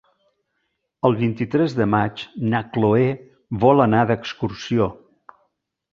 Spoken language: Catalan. El vint-i-tres de maig na Cloè vol anar d'excursió.